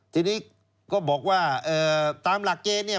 ทีนี้ก็บอกว่าตามหลักเกณฑ์เนี่ย